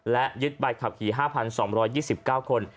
และยึดใบขับขี่๕๒๒๙คน